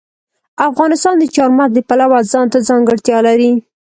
افغانستان د چار مغز د پلوه ځانته ځانګړتیا لري.